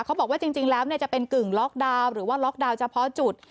เขาบอกว่าจริงแล้วจะเป็นกึ่งล็อกดาวน์หรือว่าล็อกดาวน์เฉพาะจุด